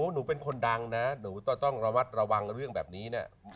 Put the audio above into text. หนูเป็นคนดังนะหนูต้องระวัดระวังเรื่องแบบนี้นะ